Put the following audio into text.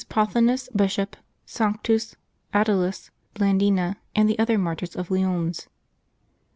POTHINUS, Bishop, SANCTUS, AT TALUS, BLANDINA, and the other Martyrs of Lyons.